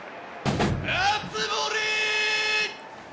熱盛！